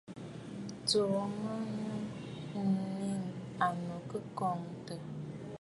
Tsùu mɔʼɔ nɨ̂ ànnù kɨ kɔʼɔtə̂.